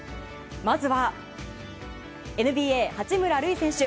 まずはＮＢＡ、八村塁選手。